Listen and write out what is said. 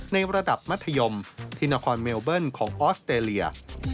ในระดับมัธยมที่นครเมลเบิ้ลของออสเตรเลีย